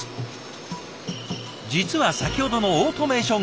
実は先ほどのオートメーション